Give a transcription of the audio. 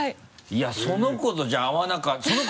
いやその子とじゃあ合わなかったら。